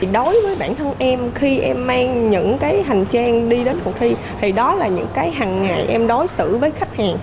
đối với bản thân em khi em mang những cái hành trang đi đến cuộc thi thì đó là những cái hằng ngày em đối xử với khách hàng